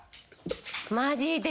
マジで！？